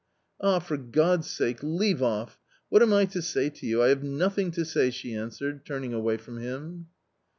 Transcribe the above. " Ah, for God's sake, leave off ! What am I to say to you ? I have nothing to say !" she answered, turning away from him.